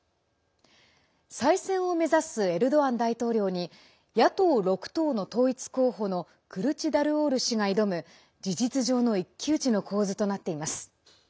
再選を目指すエルドアン大統領に野党６党の統一候補のクルチダルオール氏が挑む事実上の一騎打ちの構図となっています。